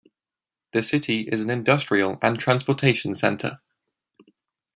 The city is an industrial and transportation center.